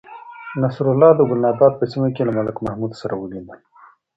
نصرالله د گلناباد په سیمه کې له ملک محمود سره ولیدل.